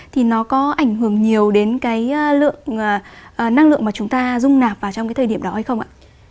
thì nó có ảnh hưởng nhiều đến cái lượng năng lượng mà chúng ta dung nạp vào trong cái thời điểm đó hay không ạ